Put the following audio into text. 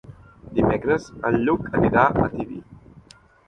Dimecres en Lluc anirà a Tibi.